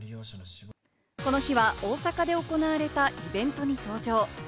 この日は大阪で行われたイベントに登場。